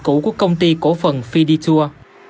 cũ của công ty cổ phần fiditur